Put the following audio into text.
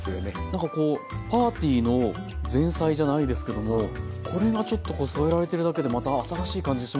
なんかこうパーティーの前菜じゃないですけどもこれがちょっとこう添えられてるだけでまた新しい感じしますね。